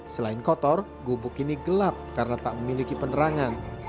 selain kotor gubuk ini gelap karena tak memiliki penerangan